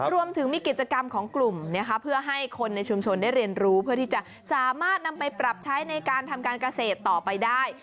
รวมถึงมีกิจกรรมของกลุ่มเพื่อให้คนในชุมชนได้เรียนรู้เพื่อที่จะสามารถนำไปปรับใช้ในการทำการเกษตรต่อไปได้